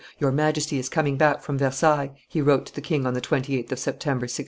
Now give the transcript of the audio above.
"Your Majesty is coming back from Versailles," he wrote to the king on the 28th of September, 1685.